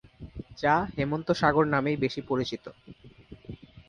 যা "হেমন্ত সাগর" নামেই বেশি পরিচিত।